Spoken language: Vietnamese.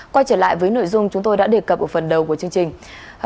quay trở lại với nội dung chúng tôi đã đề cập ở phần đầu của chương trình